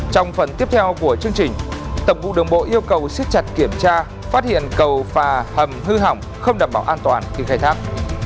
trong phần tiếp theo của chương trình tổng vụ đường bộ yêu cầu siết chặt kiểm tra phát hiện cầu phà hầm hư hỏng không đảm bảo an toàn khi khai thác